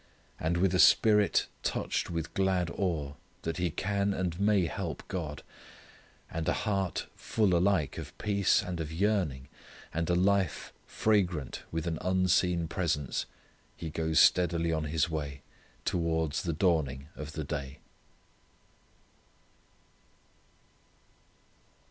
And with a spirit touched with glad awe that he can and may help God, and a heart full alike of peace and of yearning, and a life fragrant with an unseen Presence he goes steadily on his way, towards the dawning of the day.